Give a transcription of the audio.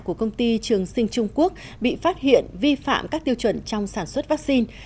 của công ty trường sinh trung quốc bị phát hiện vi phạm các tiêu chuẩn trong sản xuất vaccine